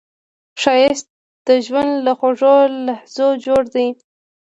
ښایست د ژوند له خوږو لحظو جوړ دی